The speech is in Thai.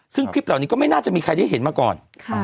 ซึ่งคลิปเหล่านี้ก็ไม่น่าจะมีใครได้เห็นมาก่อน